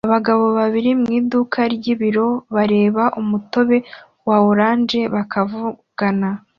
Abagabo babiri mu iduka ryibiryo bareba umutobe wa orange bakavugana